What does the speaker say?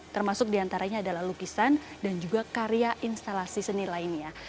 termasuk diantaranya adalah lukisan dan juga karya instalasi seni lainnya